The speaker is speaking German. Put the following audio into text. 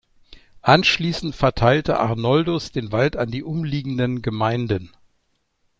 Anschließend verteilte Arnoldus den Wald an die umliegenden Gemeinden.